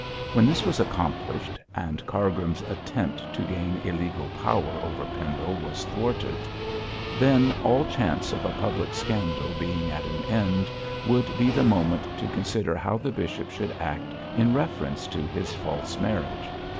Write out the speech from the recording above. When this was accomplished, and Cargrim's attempt to gain illegal power over Pendle was thwarted; then all chance of a public scandal being at an end would be the moment to consider how the bishop should act in reference to his false marriage.